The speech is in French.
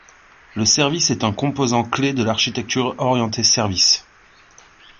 Le service est un composant clef de l'architecture orientée services.